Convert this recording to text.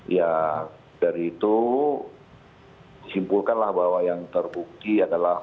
ya dari itu simpulkanlah bahwa yang terbukti adalah